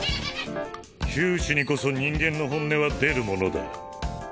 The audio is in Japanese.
窮地にこそ人間の本音は出るものだ。